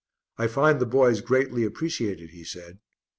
"I find the boys greatly appreciate it," he said.